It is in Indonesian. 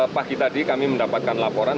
pagi tadi kami mendapatkan laporan